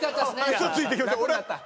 嘘ついてきました。